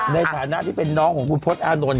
ในฐานะที่เป็นน้องของคุณพศอานนท์